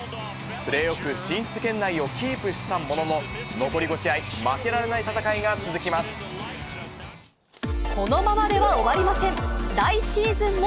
プレーオフ進出圏内をキープしたものの、残り５試合、負けられなこのままでは終わりません。